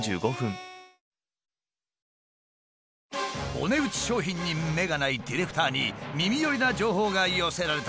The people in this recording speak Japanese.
お値打ち商品に目がないディレクターに耳寄りな情報が寄せられた！